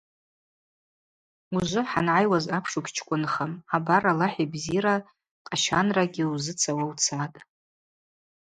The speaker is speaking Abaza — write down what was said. Ужвы хӏангӏайуаз апш угьчкӏвынхым, абар, Аллахӏ йбзира, къащанрагьи узыцауа уцатӏ.